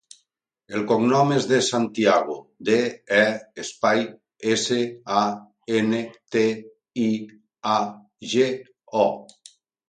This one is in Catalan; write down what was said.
El cognom és De Santiago: de, e, espai, essa, a, ena, te, i, a, ge, o.